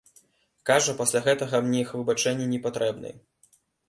Кажа, пасля гэтага мне іх выбачэнні не патрэбны.